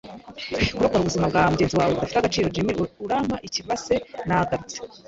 kurokora ubuzima bwa mugenzi wawe budafite agaciro; Jim, urampa ikibase. ” Nagarutse